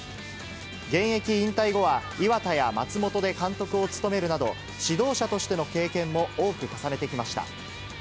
現役引退後は磐田や松本で監督を務めるなど、指導者としての経験も多く重ねてきました。